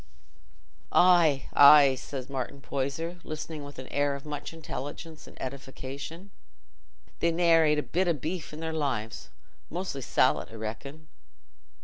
'" "Aye, aye," said Martin Poyser, listening with an air of much intelligence and edification, "they ne'er ate a bit o' beef i' their lives. Mostly sallet, I reckon."